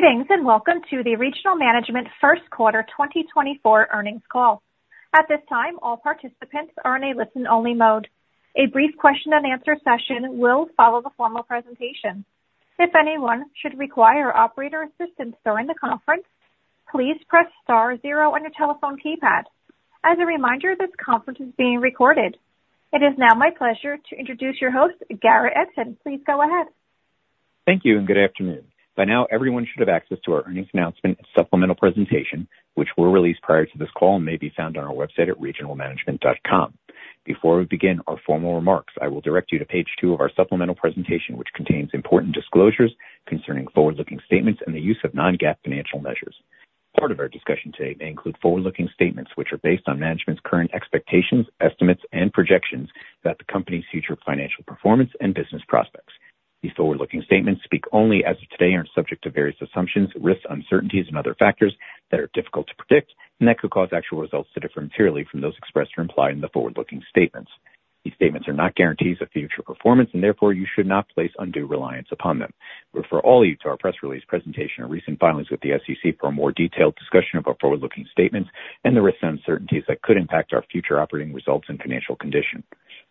Greetings, and welcome to the Regional Management first quarter 2024 earnings call. At this time, all participants are in a listen-only mode. A brief question and answer session will follow the formal presentation. If anyone should require operator assistance during the conference, please press star zero on your telephone keypad. As a reminder, this conference is being recorded. It is now my pleasure to introduce your host, Garrett Edson. Please go ahead. Thank you and good afternoon. By now, everyone should have access to our earnings announcement and supplemental presentation, which were released prior to this call and may be found on our website at regionalmanagement.com. Before we begin our formal remarks, I will direct you to page two of our supplemental presentation, which contains important disclosures concerning forward-looking statements and the use of Non-GAAP financial measures. Part of our discussion today may include forward-looking statements, which are based on management's current expectations, estimates, and projections about the company's future financial performance and business prospects. These forward-looking statements speak only as of today and are subject to various assumptions, risks, uncertainties, and other factors that are difficult to predict and that could cause actual results to differ materially from those expressed or implied in the forward-looking statements. These statements are not guarantees of future performance, and therefore you should not place undue reliance upon them. Refer all of you to our press release presentation and recent filings with the SEC for a more detailed discussion of our forward-looking statements and the risks and uncertainties that could impact our future operating results and financial condition.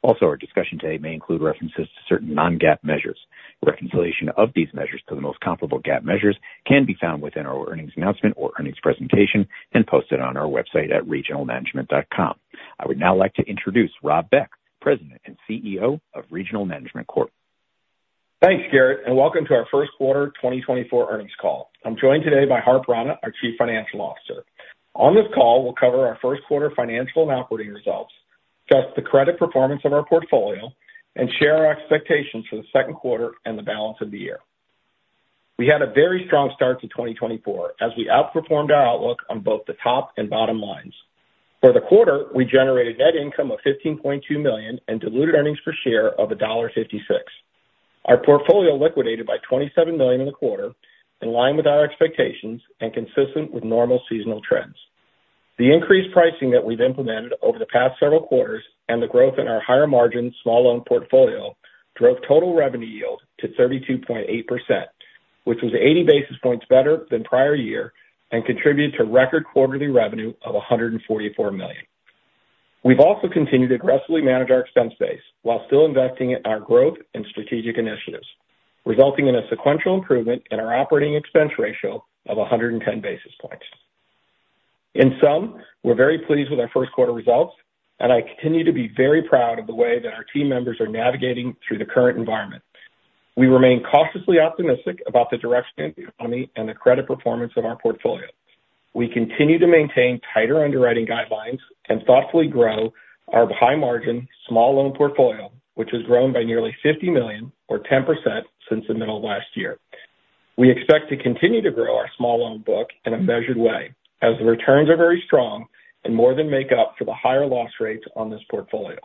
Also, our discussion today may include references to certain non-GAAP measures. Reconciliation of these measures to the most comparable GAAP measures can be found within our earnings announcement or earnings presentation and posted on our website at regionalmanagement.com. I would now like to introduce Rob Beck, President and CEO of Regional Management Corp. Thanks, Garrett, and welcome to our first quarter 2024 earnings call. I'm joined today by Harp Rana, our Chief Financial Officer. On this call, we'll cover our first quarter financial and operating results, discuss the credit performance of our portfolio, and share our expectations for the second quarter and the balance of the year. We had a very strong start to 2024 as we outperformed our outlook on both the top and bottom lines. For the quarter, we generated net income of $15.2 million and diluted earnings per share of $1.56. Our portfolio liquidated by $27 million in the quarter, in line with our expectations and consistent with normal seasonal trends. The increased pricing that we've implemented over the past several quarters and the growth in our higher margin small loan portfolio drove total revenue yield to 32.8%, which was 80 basis points better than prior year and contributed to record quarterly revenue of $144 million. We've also continued to aggressively manage our expense base while still investing in our growth and strategic initiatives, resulting in a sequential improvement in our operating expense ratio of 110 basis points. In sum, we're very pleased with our first quarter results, and I continue to be very proud of the way that our team members are navigating through the current environment. We remain cautiously optimistic about the direction of the economy and the credit performance of our portfolio. We continue to maintain tighter underwriting guidelines and thoughtfully grow our high-margin small loan portfolio, which has grown by nearly $50 million or 10% since the middle of last year. We expect to continue to grow our small loan book in a measured way, as the returns are very strong and more than make up for the higher loss rates on this portfolio.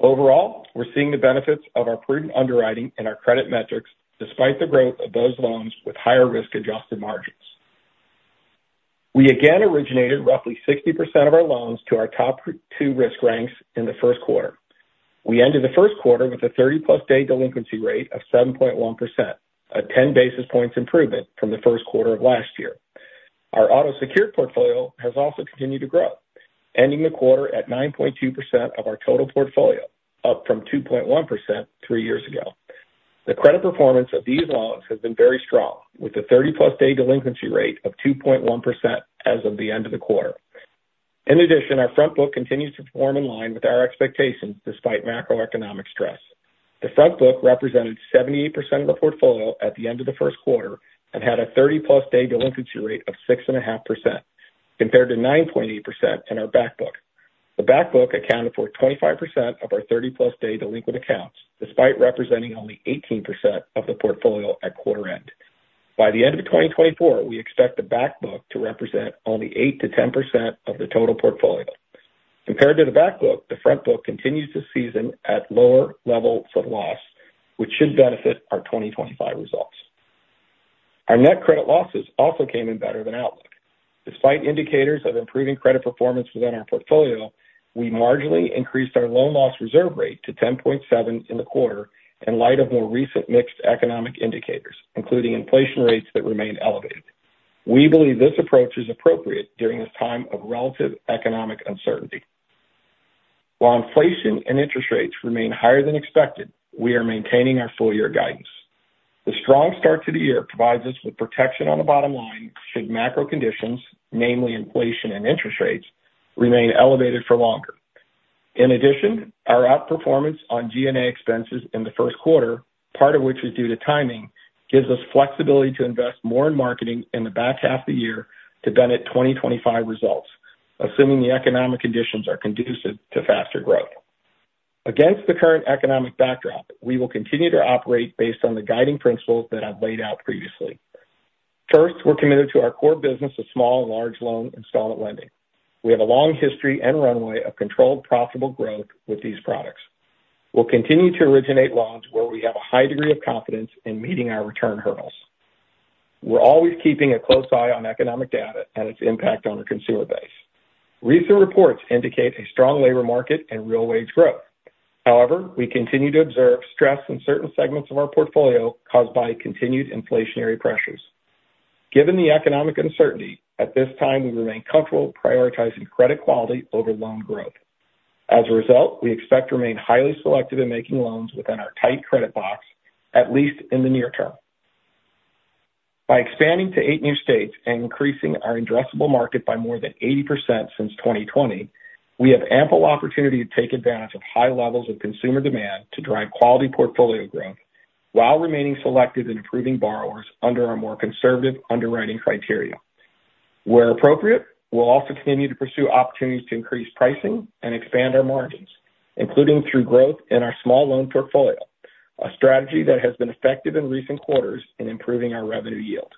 Overall, we're seeing the benefits of our prudent underwriting and our credit metrics, despite the growth of those loans with higher risk-adjusted margins. We again originated roughly 60% of our loans to our top two risk ranks in the first quarter. We ended the first quarter with a 30+-day delinquency rate of 7.1%, a 10 basis points improvement from the first quarter of last year. Our auto secured portfolio has also continued to grow, ending the quarter at 9.2% of our total portfolio, up from 2.1% three years ago. The credit performance of these loans has been very strong, with a 30+ day delinquency rate of 2.1% as of the end of the quarter. In addition, our front book continues to perform in line with our expectations, despite macroeconomic stress. The front book represented 78% of the portfolio at the end of the first quarter and had a 30+ day delinquency rate of 6.5%, compared to 9.8% in our back book. The back book accounted for 25% of our 30+ day delinquent accounts, despite representing only 18% of the portfolio at quarter end. By the end of 2024, we expect the back book to represent only 8%-10% of the total portfolio. Compared to the back book, the front book continues to season at lower levels of loss, which should benefit our 2025 results. Our net credit losses also came in better than outlook. Despite indicators of improving credit performance within our portfolio, we marginally increased our loan loss reserve rate to 10.7 in the quarter in light of more recent mixed economic indicators, including inflation rates that remain elevated. We believe this approach is appropriate during this time of relative economic uncertainty. While inflation and interest rates remain higher than expected, we are maintaining our full-year guidance. The strong start to the year provides us with protection on the bottom line should macro conditions, namely inflation and interest rates, remain elevated for longer. In addition, our outperformance on G&A expenses in the first quarter, part of which is due to timing, gives us flexibility to invest more in marketing in the back half of the year to benefit 2025 results, assuming the economic conditions are conducive to faster growth. Against the current economic backdrop, we will continue to operate based on the guiding principles that I've laid out previously. First, we're committed to our core business of small and large loan installment lending. We have a long history and runway of controlled, profitable growth with these products. We'll continue to originate loans where we have a high degree of confidence in meeting our return hurdles....We're always keeping a close eye on economic data and its impact on our consumer base. Recent reports indicate a strong labor market and real wage growth. However, we continue to observe stress in certain segments of our portfolio caused by continued inflationary pressures. Given the economic uncertainty, at this time, we remain comfortable prioritizing credit quality over loan growth. As a result, we expect to remain highly selective in making loans within our tight credit box, at least in the near term. By expanding to 8 new states and increasing our addressable market by more than 80% since 2020, we have ample opportunity to take advantage of high levels of consumer demand to drive quality portfolio growth while remaining selective in approving borrowers under our more conservative underwriting criteria. Where appropriate, we'll also continue to pursue opportunities to increase pricing and expand our margins, including through growth in our small loan portfolio, a strategy that has been effective in recent quarters in improving our revenue yield.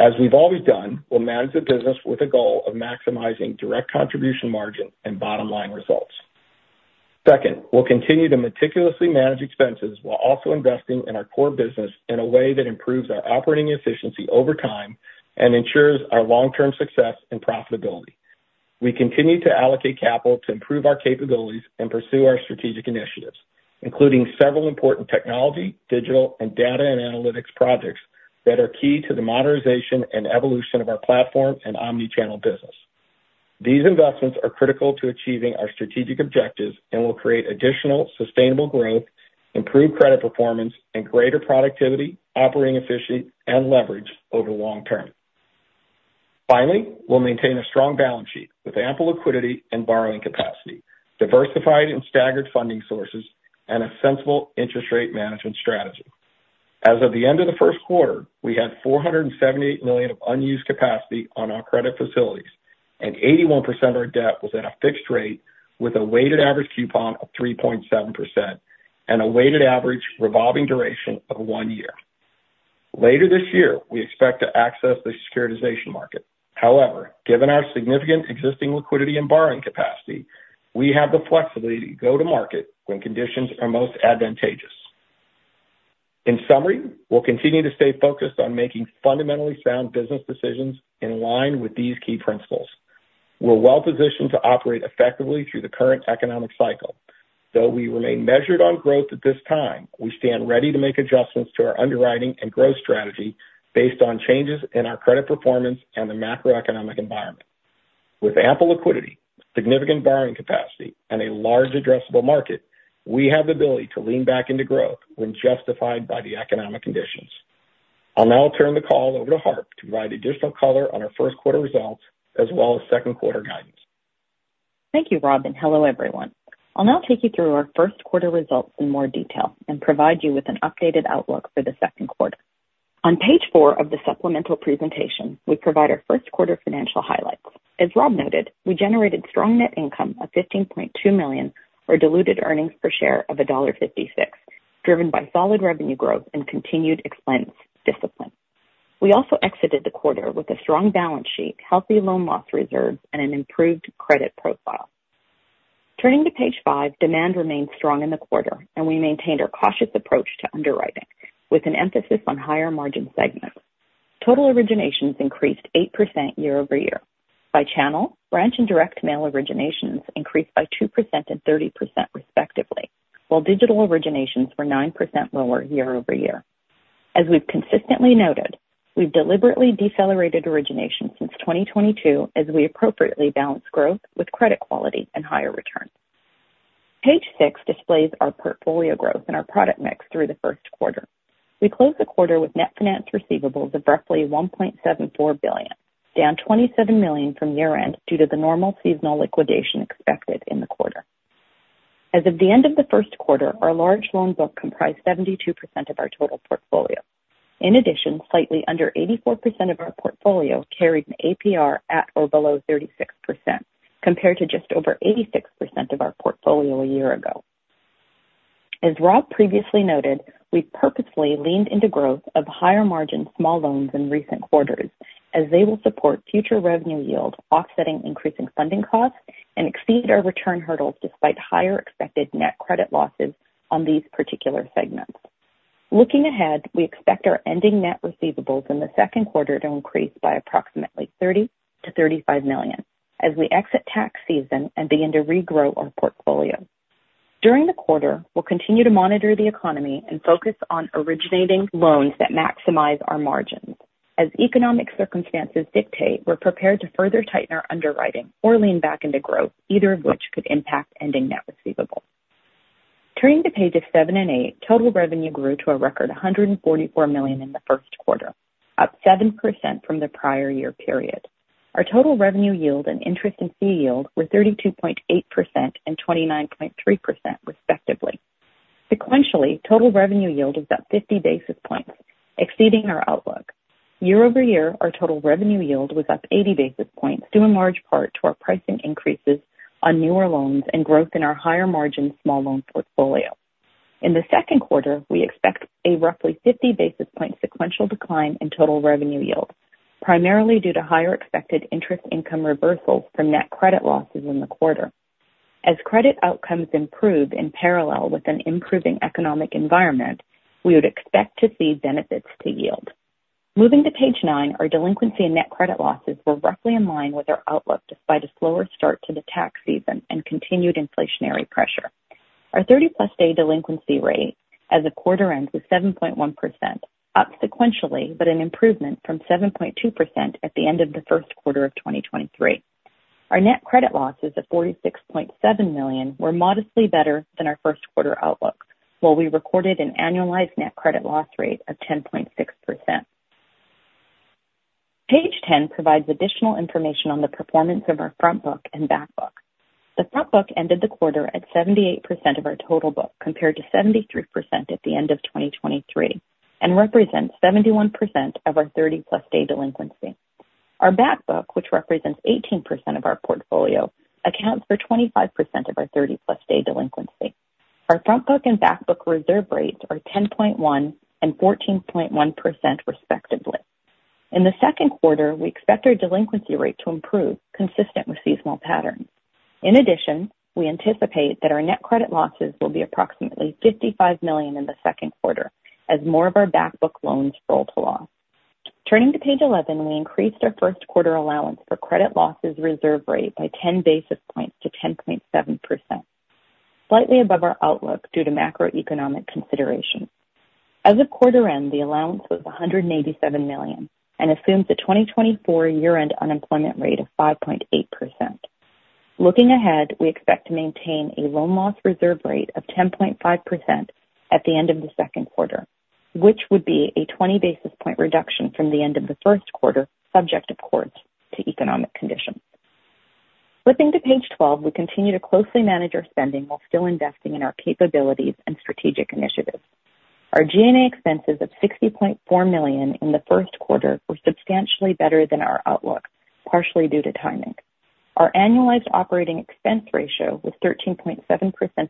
As we've always done, we'll manage the business with the goal of maximizing direct contribution margin and bottom-line results. Second, we'll continue to meticulously manage expenses while also investing in our core business in a way that improves our operating efficiency over time and ensures our long-term success and profitability. We continue to allocate capital to improve our capabilities and pursue our strategic initiatives, including several important technology, digital, and data and analytics projects that are key to the modernization and evolution of our platform and omni-channel business. These investments are critical to achieving our strategic objectives and will create additional sustainable growth, improved credit performance, and greater productivity, operating efficiency, and leverage over long term. Finally, we'll maintain a strong balance sheet with ample liquidity and borrowing capacity, diversified and staggered funding sources, and a sensible interest rate management strategy. As of the end of the first quarter, we had $478 million of unused capacity on our credit facilities, and 81% of our debt was at a fixed rate, with a weighted average coupon of 3.7% and a weighted average revolving duration of one year. Later this year, we expect to access the securitization market. However, given our significant existing liquidity and borrowing capacity, we have the flexibility to go to market when conditions are most advantageous. In summary, we'll continue to stay focused on making fundamentally sound business decisions in line with these key principles. We're well-positioned to operate effectively through the current economic cycle. Though we remain measured on growth at this time, we stand ready to make adjustments to our underwriting and growth strategy based on changes in our credit performance and the macroeconomic environment. With ample liquidity, significant borrowing capacity, and a large addressable market, we have the ability to lean back into growth when justified by the economic conditions. I'll now turn the call over to Harp to provide additional color on our first quarter results as well as second quarter guidance. Thank you, Rob, and hello, everyone. I'll now take you through our first quarter results in more detail and provide you with an updated outlook for the second quarter. On page 4 of the supplemental presentation, we provide our first quarter financial highlights. As Rob noted, we generated strong net income of $15.2 million, or diluted earnings per share of $1.56, driven by solid revenue growth and continued expense discipline. We also exited the quarter with a strong balance sheet, healthy loan loss reserves, and an improved credit profile. Turning to page 5, demand remained strong in the quarter, and we maintained our cautious approach to underwriting, with an emphasis on higher-margin segments. Total originations increased 8% year-over-year. By channel, branch and direct mail originations increased by 2% and 30%, respectively, while digital originations were 9% lower year-over-year. As we've consistently noted, we've deliberately decelerated origination since 2022 as we appropriately balance growth with credit quality and higher returns. Page 6 displays our portfolio growth and our product mix through the first quarter. We closed the quarter with net finance receivables of roughly $1.74 billion, down $27 million from year-end due to the normal seasonal liquidation expected in the quarter. As of the end of the first quarter, our large loan book comprised 72% of our total portfolio. In addition, slightly under 84% of our portfolio carried an APR at or below 36%, compared to just over 86% of our portfolio a year ago. As Rob previously noted, we've purposely leaned into growth of higher-margin small loans in recent quarters, as they will support future revenue yield, offsetting increasing funding costs and exceed our return hurdles despite higher expected net credit losses on these particular segments. Looking ahead, we expect our ending net receivables in the second quarter to increase by approximately $30 million-$35 million as we exit tax season and begin to regrow our portfolio. During the quarter, we'll continue to monitor the economy and focus on originating loans that maximize our margins. As economic circumstances dictate, we're prepared to further tighten our underwriting or lean back into growth, either of which could impact ending net receivable. Turning to pages 7 and 8, total revenue grew to a record $144 million in the first quarter, up 7% from the prior year period. Our total revenue yield and interest and fee yield were 32.8% and 29.3%, respectively. Sequentially, total revenue yield is up 50 basis points, exceeding our outlook. Year-over-year, our total revenue yield was up 80 basis points, due in large part to our pricing increases on newer loans and growth in our higher-margin small loan portfolio. In the second quarter, we expect a roughly 50-basis-point sequential decline in total revenue yield, primarily due to higher expected interest income reversals from net credit losses in the quarter... as credit outcomes improve in parallel with an improving economic environment, we would expect to see benefits to yield. Moving to page 9, our delinquency and net credit losses were roughly in line with our outlook, despite a slower start to the tax season and continued inflationary pressure. Our 30+ day delinquency rate as of quarter end was 7.1%, up sequentially, but an improvement from 7.2% at the end of the first quarter of 2023. Our net credit losses of $46.7 million were modestly better than our first quarter outlook, while we recorded an annualized net credit loss rate of 10.6%. Page 10 provides additional information on the performance of our front book and back book. The front book ended the quarter at 78% of our total book, compared to 73% at the end of 2023, and represents 71% of our 30+ day delinquency. Our back book, which represents 18% of our portfolio, accounts for 25% of our 30+ day delinquency. Our front book and back book reserve rates are 10.1% and 14.1%, respectively. In the second quarter, we expect our delinquency rate to improve, consistent with seasonal patterns. In addition, we anticipate that our net credit losses will be approximately $55 million in the second quarter as more of our back book loans roll to loss. Turning to page 11, we increased our first quarter allowance for credit losses reserve rate by 10 basis points to 10.7%, slightly above our outlook due to macroeconomic considerations. As of quarter end, the allowance was $187 million and assumes a 2024 year-end unemployment rate of 5.8%. Looking ahead, we expect to maintain a loan loss reserve rate of 10.5% at the end of the second quarter, which would be a 20 basis point reduction from the end of the first quarter, subject, of course, to economic conditions. Flipping to page 12, we continue to closely manage our spending while still investing in our capabilities and strategic initiatives. Our G&A expenses of $60.4 million in the first quarter were substantially better than our outlook, partially due to timing. Our annualized operating expense ratio was 13.7%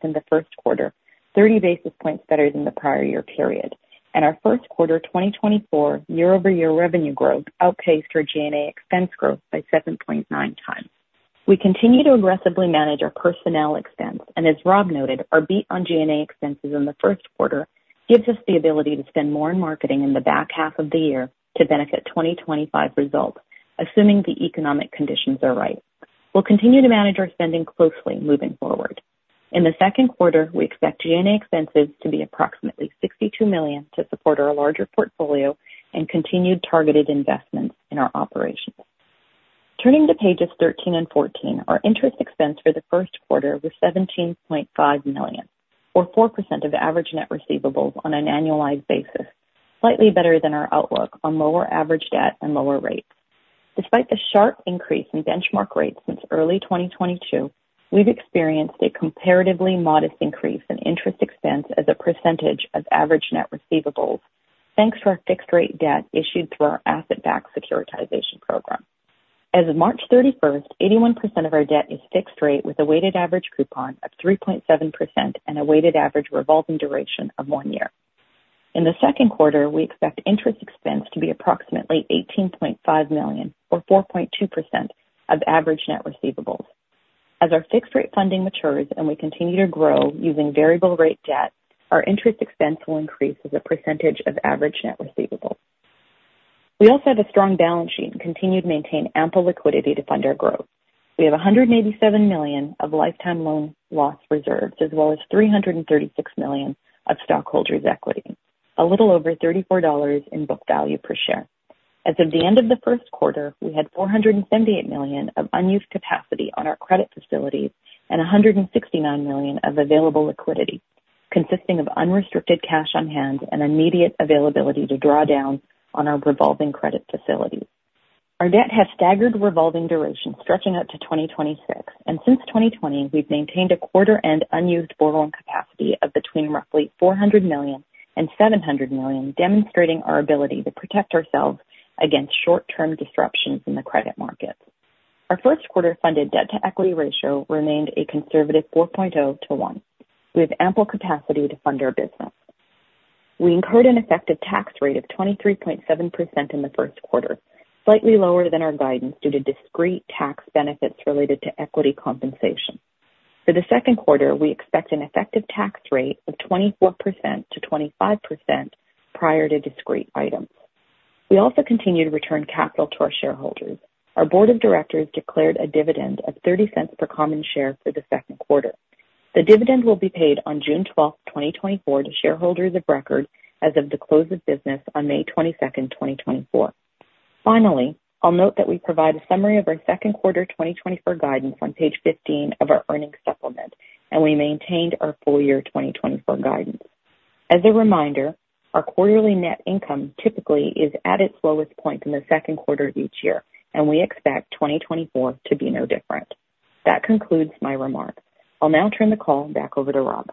in the first quarter, 30 basis points better than the prior year period, and our first quarter 2024 year-over-year revenue growth outpaced our G&A expense growth by 7.9 times. We continue to aggressively manage our personnel expense, and as Rob noted, our beat on G&A expenses in the first quarter gives us the ability to spend more in marketing in the back half of the year to benefit 2025 results, assuming the economic conditions are right. We'll continue to manage our spending closely moving forward. In the second quarter, we expect G&A expenses to be approximately $62 million to support our larger portfolio and continued targeted investments in our operations. Turning to pages 13 and 14, our interest expense for the first quarter was $17.5 million, or 4% of average net receivables on an annualized basis, slightly better than our outlook on lower average debt and lower rates. Despite the sharp increase in benchmark rates since early 2022, we've experienced a comparatively modest increase in interest expense as a percentage of average net receivables, thanks to our fixed rate debt issued through our asset-backed securitization program. As of March 31, 81% of our debt is fixed rate, with a weighted average coupon of 3.7% and a weighted average revolving duration of 1 year. In the second quarter, we expect interest expense to be approximately $18.5 million, or 4.2% of average net receivables. As our fixed rate funding matures and we continue to grow using variable rate debt, our interest expense will increase as a percentage of average net receivables. We also have a strong balance sheet and continue to maintain ample liquidity to fund our growth. We have $187 million of lifetime loan loss reserves, as well as $336 million of stockholders' equity, a little over $34 in book value per share. As of the end of the first quarter, we had $478 million of unused capacity on our credit facilities and $169 million of available liquidity, consisting of unrestricted cash on hand and immediate availability to draw down on our revolving credit facilities. Our debt has staggered revolving duration, stretching out to 2026, and since 2020, we've maintained a quarter-end unused borrow capacity of between roughly $400 million and $700 million, demonstrating our ability to protect ourselves against short-term disruptions in the credit markets. Our first quarter funded debt-to-equity ratio remained a conservative 4.0:1. We have ample capacity to fund our business. We incurred an effective tax rate of 23.7% in the first quarter, slightly lower than our guidance due to discrete tax benefits related to equity compensation. For the second quarter, we expect an effective tax rate of 24%-25% prior to discrete items. We also continue to return capital to our shareholders. Our board of directors declared a dividend of $0.30 per common share for the second quarter. The dividend will be paid on June 12, 2024 to shareholders of record as of the close of business on May 22, 2024. Finally, I'll note that we provide a summary of our second quarter 2024 guidance on page 15 of our earnings supplement, and we maintained our full year 2024 guidance. As a reminder, our quarterly net income typically is at its lowest point in the second quarter of each year, and we expect 2024 to be no different. That concludes my remarks. I'll now turn the call back over to Rob.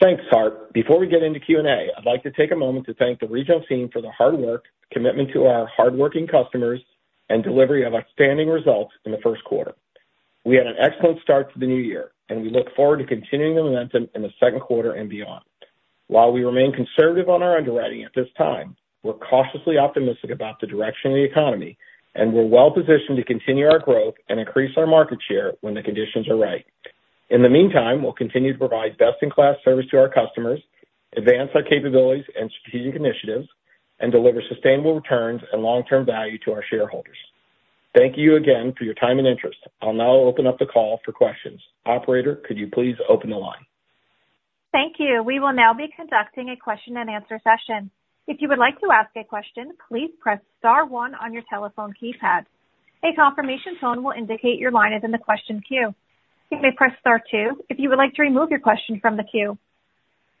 Thanks, Harp. Before we get into Q&A, I'd like to take a moment to thank the regional team for the hard work, commitment to our hardworking customers, and delivery of outstanding results in the first quarter. We had an excellent start to the new year, and we look forward to continuing the momentum in the second quarter and beyond. While we remain conservative on our underwriting at this time, we're cautiously optimistic about the direction of the economy, and we're well-positioned to continue our growth and increase our market share when the conditions are right. In the meantime, we'll continue to provide best-in-class service to our customers, advance our capabilities and strategic initiatives, and deliver sustainable returns and long-term value to our shareholders. Thank you again for your time and interest. I'll now open up the call for questions. Operator, could you please open the line? Thank you. We will now be conducting a question-and-answer session. If you would like to ask a question, please press star one on your telephone keypad. A confirmation tone will indicate your line is in the question queue. You may press star two if you would like to remove your question from the queue.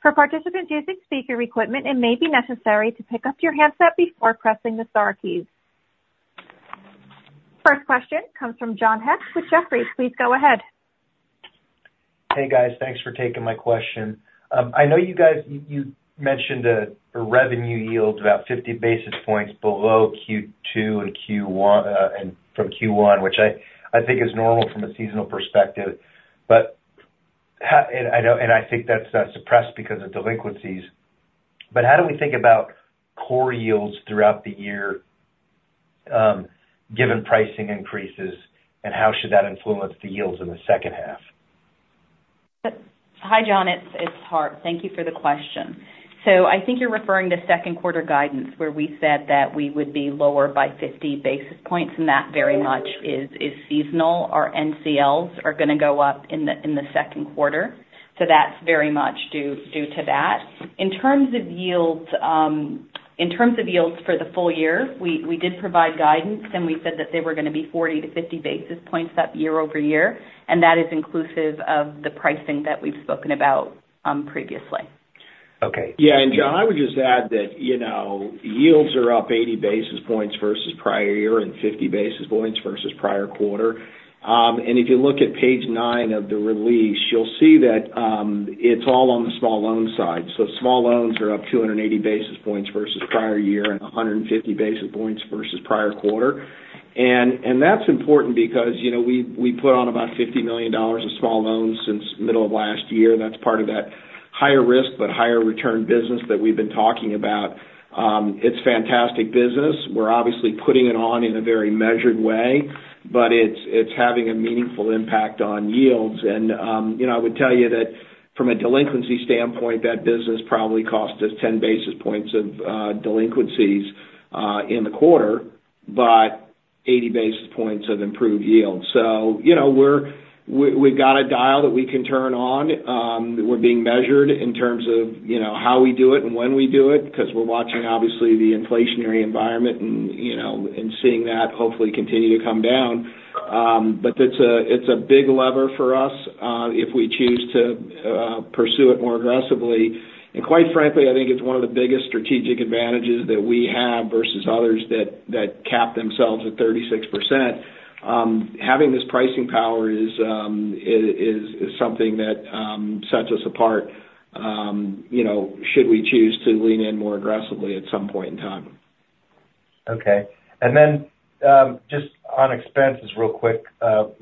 For participants using speaker equipment, it may be necessary to pick up your handset before pressing the star key. First question comes from John Hecht with Jefferies. Please go ahead. Hey, guys. Thanks for taking my question. I know you guys, you mentioned a revenue yield about 50 basis points below Q2 and Q1, and from Q1, which I think is normal from a seasonal perspective, but I know, and I think that's suppressed because of delinquencies. But how do we think about core yields throughout the year, given pricing increases, and how should that influence the yields in the second half? Hi, John. It's Harp. Thank you for the question. So I think you're referring to second quarter guidance, where we said that we would be lower by 50 basis points, and that very much is seasonal. Our NCLs are gonna go up in the second quarter, so that's very much due to that. In terms of yields for the full year, we did provide guidance, and we said that they were gonna be 40-50 basis points up year-over-year, and that is inclusive of the pricing that we've spoken about, previously. Okay. Yeah, and John, I would just add that, you know, yields are up 80 basis points versus prior year and 50 basis points versus prior quarter. And if you look at page 9 of the release, you'll see that, it's all on the small loan side. So small loans are up 280 basis points versus prior year and 150 basis points versus prior quarter. And that's important because, you know, we put on about $50 million of small loans since middle of last year. That's part of that higher risk, but higher return business that we've been talking about. It's fantastic business. We're obviously putting it on in a very measured way, but it's having a meaningful impact on yields. You know, I would tell you that from a delinquency standpoint, that business probably cost us 10 basis points of delinquencies in the quarter, but 80 basis points of improved yields. So, you know, we've got a dial that we can turn on. We're being measured in terms of, you know, how we do it and when we do it, because we're watching, obviously, the inflationary environment and, you know, and seeing that hopefully continue to come down. But it's a big lever for us, if we choose to pursue it more aggressively. And quite frankly, I think it's one of the biggest strategic advantages that we have versus others that cap themselves at 36%. Having this pricing power is something that sets us apart, you know, should we choose to lean in more aggressively at some point in time. Okay. And then, just on expenses real quick.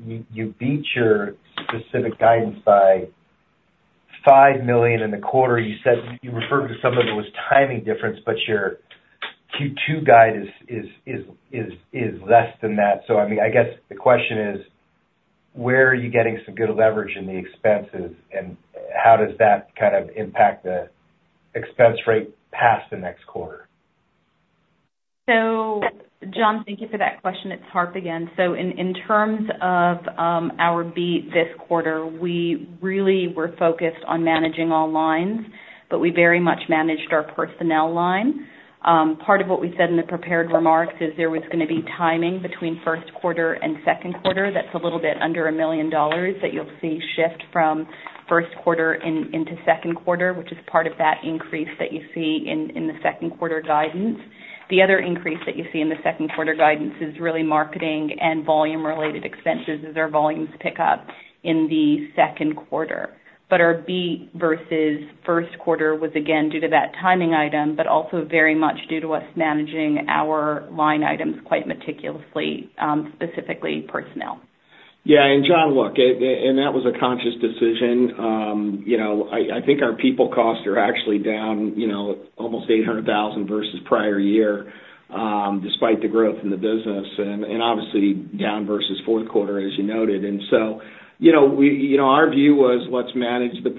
You, you beat your specific guidance by $5 million in the quarter. You said you referred to some of it was timing difference, but your Q2 guide is less than that. So, I mean, I guess the question is: Where are you getting some good leverage in the expenses, and how does that kind of impact the expense rate past the next quarter? So, John, thank you for that question. It's Harp again. So in terms of our beat this quarter, we really were focused on managing all lines, but we very much managed our personnel line. Part of what we said in the prepared remarks is there was gonna be timing between first quarter and second quarter. That's a little bit under $1 million that you'll see shift from first quarter into second quarter, which is part of that increase that you see in the second quarter guidance. The other increase that you see in the second quarter guidance is really marketing and volume-related expenses as our volumes pick up in the second quarter. But our beat versus first quarter was again due to that timing item, but also very much due to us managing our line items quite meticulously, specifically personnel. Yeah, and John, look, and that was a conscious decision. You know, I think our people costs are actually down, you know, almost $800,000 versus prior year, despite the growth in the business and obviously down versus fourth quarter, as you noted. And so, you know, we, you know, our view was, let's manage the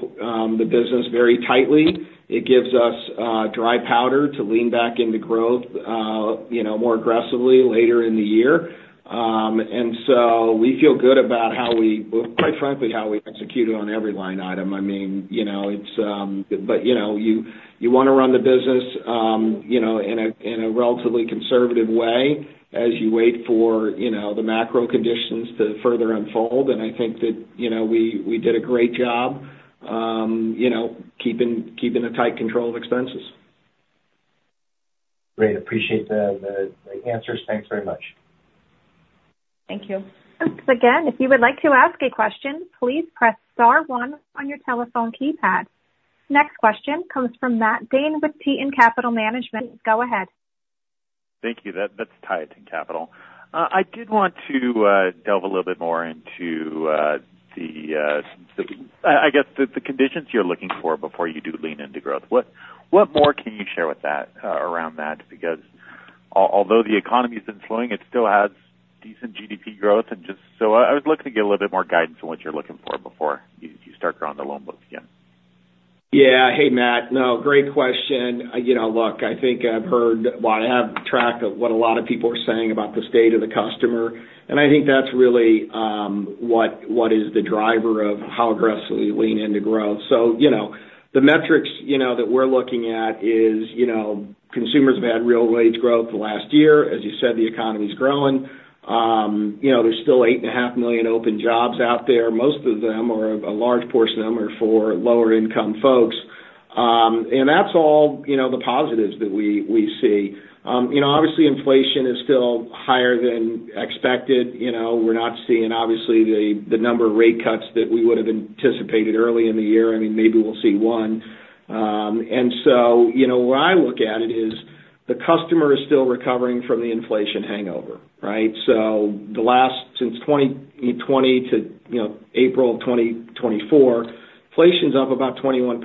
business very tightly. It gives us dry powder to lean back into growth, you know, more aggressively later in the year. And so we feel good about how we, well, quite frankly, how we executed on every line item. I mean, you know, it's, but, you know, you wanna run the business, you know, in a relatively conservative way as you wait for, you know, the macro conditions to further unfold. I think that, you know, we did a great job, you know, keeping a tight control of expenses. Great. Appreciate the answers. Thanks very much. Thank you. Again, if you would like to ask a question, please press star one on your telephone keypad. Next question comes from Matt Dhane with Tieton Capital Management. Go ahead. Thank you. That's Tieton Capital. I did want to delve a little bit more into the, I guess, the conditions you're looking for before you do lean into growth. What more can you share with that around that? Because although the economy's been slowing, it still has decent GDP growth. And just so I was looking to get a little bit more guidance on what you're looking for before you start growing the loan books again. Yeah. Hey, Matt. No, great question. You know, look, I think I've heard—well, I've kept track of what a lot of people are saying about the state of the customer, and I think that's really what is the driver of how aggressively we lean into growth. So, you know, the metrics, you know, that we're looking at is, you know, consumers have had real wage growth the last year. As you said, the economy's growing. You know, there's still 8.5 million open jobs out there. Most of them, or a large portion of them, are for lower income folks. And that's all, you know, the positives that we see. You know, obviously, inflation is still higher than expected. You know, we're not seeing, obviously, the number of rate cuts that we would have anticipated early in the year. I mean, maybe we'll see one. And so, you know, where I look at it is the customer is still recovering from the inflation hangover, right? So since 2020 to, you know, April of 2024, inflation's up about 21%.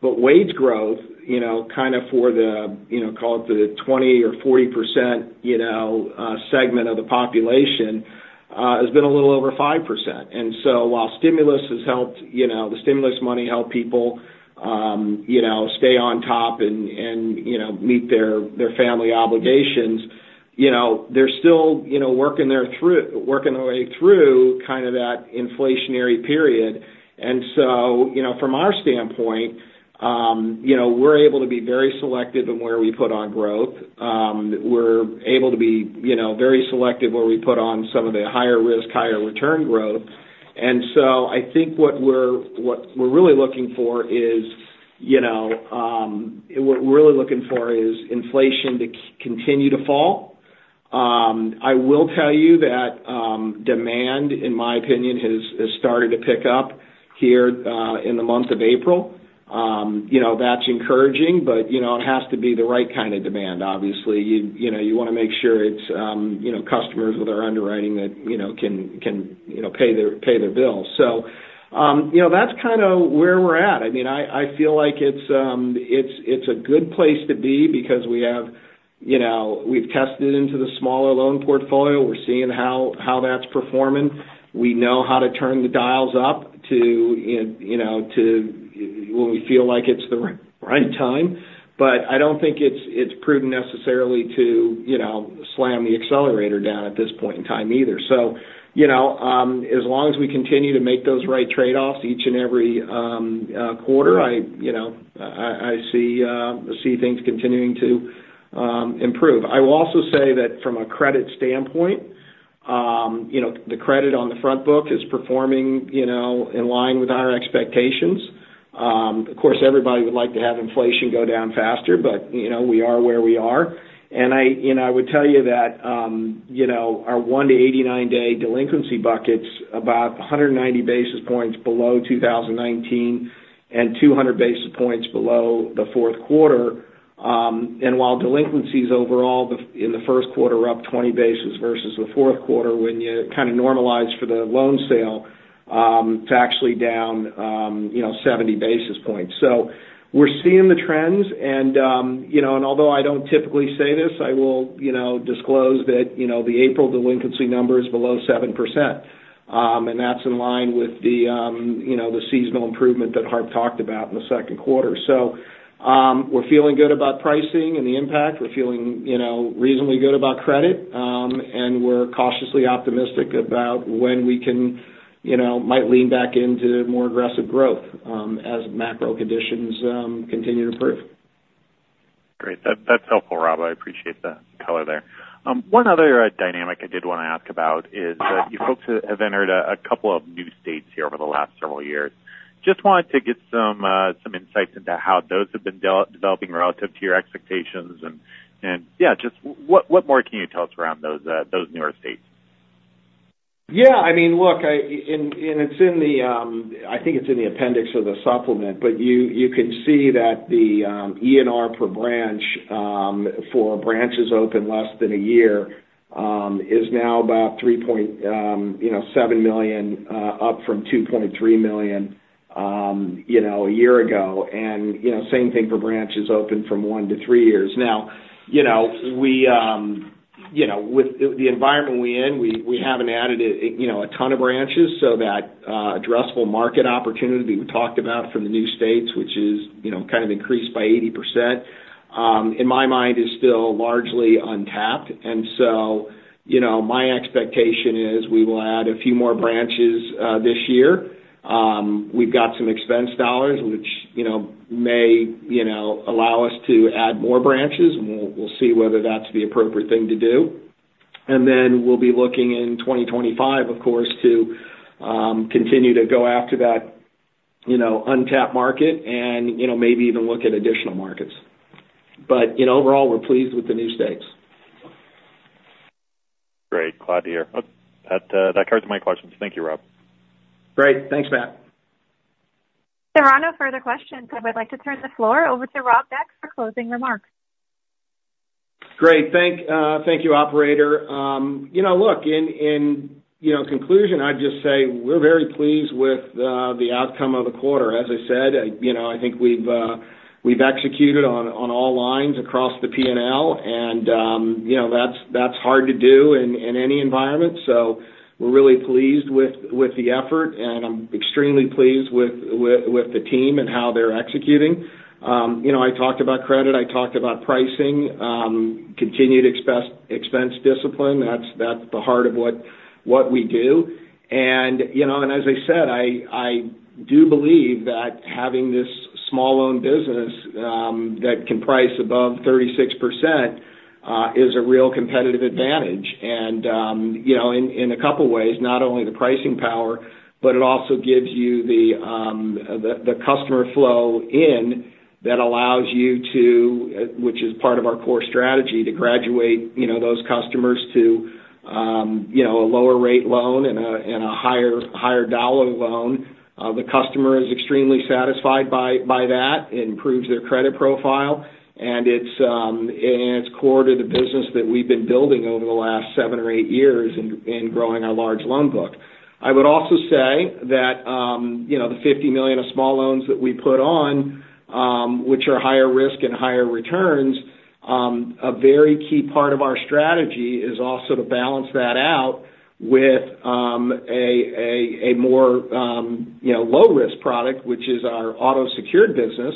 But wage growth, you know, kind of for the, you know, call it the 20% or 40%, you know, segment of the population, has been a little over 5%. And so while stimulus has helped, you know, the stimulus money help people, you know, stay on top and, you know, meet their family obligations, you know, they're still, you know, working their way through kind of that inflationary period. And so, you know, from our standpoint, you know, we're able to be very selective in where we put on growth. We're able to be, you know, very selective where we put on some of the higher risk, higher return growth. And so I think what we're really looking for is, you know, what we're really looking for is inflation to continue to fall. I will tell you that, demand, in my opinion, has started to pick up here, in the month of April. You know, that's encouraging, but, you know, it has to be the right kind of demand, obviously. You know, you wanna make sure it's, you know, customers with our underwriting that, you know, can, you know, pay their bills. So, you know, that's kind of where we're at. I mean, I feel like it's a good place to be because we have, you know, we've tested into the smaller loan portfolio. We're seeing how that's performing. We know how to turn the dials up to, you know, to when we feel like it's the right time. But I don't think it's prudent necessarily to, you know, slam the accelerator down at this point in time either. So, you know, as long as we continue to make those right trade-offs each and every quarter, I, you know, I see things continuing to improve. I will also say that from a credit standpoint, you know, the credit on the front book is performing, you know, in line with our expectations. Of course, everybody would like to have inflation go down faster, but, you know, we are where we are. And I, you know, I would tell you that, you know, our 1-89-day delinquency bucket's about 190 basis points below 2019, and 200 basis points below the fourth quarter. And while delinquencies overall, the, in the first quarter, are up 20 basis versus the fourth quarter, when you kind of normalize for the loan sale, it's actually down, you know, 70 basis points. So we're seeing the trends, and, you know, and although I don't typically say this, I will, you know, disclose that, you know, the April delinquency number is below 7%, and that's in line with the, you know, the seasonal improvement that Harp talked about in the second quarter. We're feeling good about pricing and the impact. We're feeling, you know, reasonably good about credit, and we're cautiously optimistic about when we can, you know, might lean back into more aggressive growth, as macro conditions continue to improve. Great. That, that's helpful, Rob. I appreciate the color there. One other dynamic I did wanna ask about is- Uh-huh. You folks have entered a couple of new states here over the last several years. Just wanted to get some insights into how those have been developing relative to your expectations. Yeah, just what more can you tell us around those newer states? Yeah, I mean, look, and it's in the, I think it's in the appendix of the supplement, but you can see that the ENR per branch for branches open less than a year is now about $3.7 million, you know, up from $2.3 million, you know, a year ago. And, you know, same thing for branches open from one to three years. Now, you know, we, you know, with the environment we're in, we haven't added, you know, a ton of branches, so that addressable market opportunity we talked about from the new states, which is, you know, kind of increased by 80%, in my mind, is still largely untapped. And so, you know, my expectation is we will add a few more branches this year. We've got some expense dollars, which, you know, may, you know, allow us to add more branches, and we'll see whether that's the appropriate thing to do. Then we'll be looking in 2025, of course, to continue to go after that, you know, untapped market and, you know, maybe even look at additional markets. You know, overall, we're pleased with the new states. Glad to hear. Oh, that, that carries my questions. Thank you, Rob. Great. Thanks, Matt. There are no further questions, so I'd like to turn the floor over to Rob Beck for closing remarks. Great. Thank you, operator. You know, look, in conclusion, I'd just say we're very pleased with the outcome of the quarter. As I said, you know, I think we've executed on all lines across the P&L, and you know, that's hard to do in any environment. So we're really pleased with the effort, and I'm extremely pleased with the team and how they're executing. You know, I talked about credit, I talked about pricing, continued expense discipline. That's the heart of what we do. And you know, and as I said, I do believe that having this small loan business that can price above 36% is a real competitive advantage. And, you know, in a couple of ways, not only the pricing power, but it also gives you the customer flow in that allows you to, which is part of our core strategy, to graduate, you know, those customers to a lower rate loan and a higher dollar loan. The customer is extremely satisfied by that. It improves their credit profile, and it's core to the business that we've been building over the last seven or eight years in growing our large loan book. I would also say that, you know, the $50 million of small loans that we put on, which are higher risk and higher returns, a very key part of our strategy is also to balance that out with, a more, you know, low risk product, which is our auto secured business.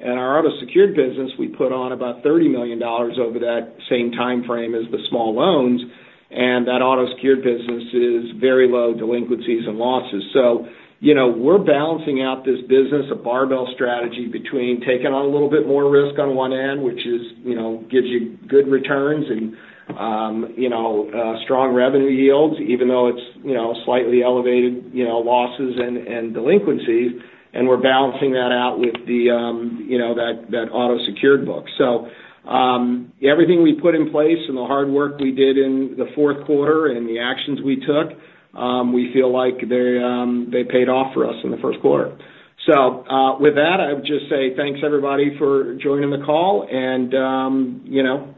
And our auto secured business, we put on about $30 million over that same timeframe as the small loans, and that auto secured business is very low delinquencies and losses. So, you know, we're balancing out this business, a barbell strategy between taking on a little bit more risk on one end, which is, you know, gives you good returns and, you know, strong revenue yields, even though it's, you know, slightly elevated, you know, losses and delinquencies. And we're balancing that out with the, you know, that auto secured book. So, everything we put in place and the hard work we did in the fourth quarter and the actions we took, we feel like they paid off for us in the first quarter. So, with that, I would just say thanks everybody for joining the call and, you know,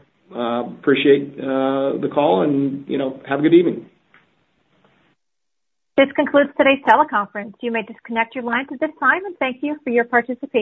appreciate the call and, you know, have a good evening. This concludes today's teleconference. You may disconnect your lines at this time, and thank you for your participation.